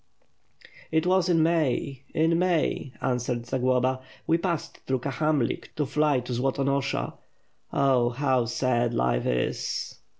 "It was in May, in May," answered Zagloba. "We passed through Kahamlik to fly to Zolotonosha. Oh! how sad life is!"